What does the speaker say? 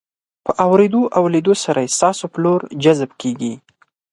په اورېدو او لیدو سره یې ستاسو په لور جذب کیږي.